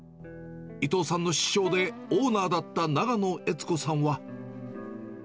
伊藤さんの師匠でオーナーだった長野悦子さんは。